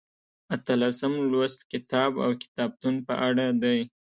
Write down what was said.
اتلسم لوست کتاب او کتابتون په اړه دی.